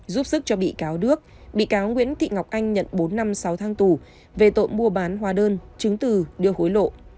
giúp sức cho bị cáo đức bị cáo nguyễn thị ngọc anh nhận bốn năm sáu tháng tù về tội mua bán hóa đơn chứng từ đưa hối lộ